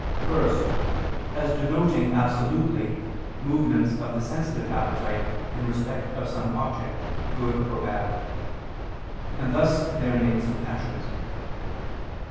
First, as denoting absolutely movements of the sensitive appetite in respect of some object, good or bad: and thus they are names of passions.